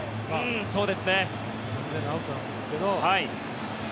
完全にアウトなんですけど。